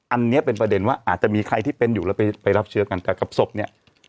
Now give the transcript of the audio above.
อันนี้เป็นประเด็นว่าอาจจะมีใครที่เป็นอยู่แล้วไปรับเชื้อกันแต่กับศพเนี่ย